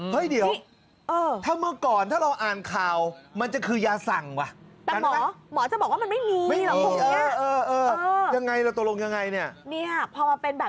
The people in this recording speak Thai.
เฮ้ยเดี๋ยวถ้าเมื่อก่อนถ้าเราอ่านข่าวมันจะคือยาสั่งว่ะ